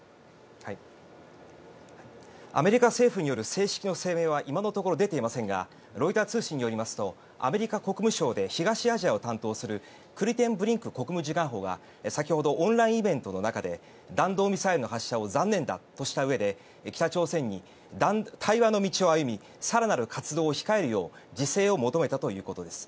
アメリカ政府による正式な声明は今のところ出ていませんがロイター通信によりますとアメリカ国務省で東アジアを担当するクリテンブリンク国務次官補が先ほどオンラインイベントの中で弾道ミサイルの発射を残念だとしたうえで北朝鮮に対話の道を歩み更なる活動を控えるよう自制を求めたということです。